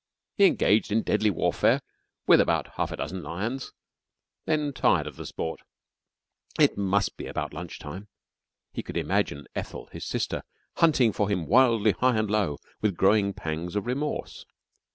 He engaged in deadly warfare with about half a dozen lions, then tired of the sport. It must be about lunch time. He could imagine Ethel, his sister, hunting for him wildly high and low with growing pangs of remorse.